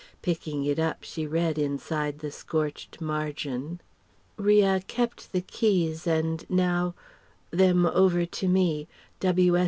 Picking it up she read inside the scorched margin: ria kept the keys and now them over to me.